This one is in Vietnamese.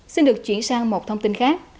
xin được chuyển sang một thông tin khác